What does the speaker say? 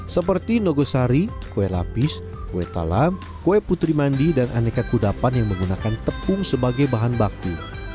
seperti nogosari kue lapis kue talam kue putri mandi dan aneka kudapan yang menggunakan tepung sebagai bahan baku